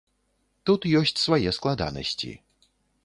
Тут ёсць свае складанасці.